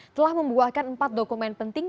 telah membuahkan empat dokumen penting